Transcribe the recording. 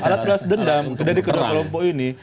alat beras dendam dari kedua kelompok ini